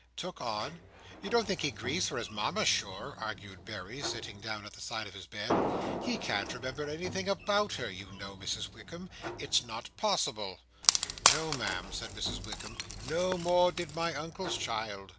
"Took on! You don't think he grieves for his Mama, sure?" argued Berry, sitting down on the side of the bed. "He can't remember anything about her, you know, Mrs Wickam. It's not possible." "No, Ma'am," said Mrs Wickam "No more did my Uncle's child.